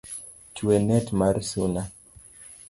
Twe net mar suna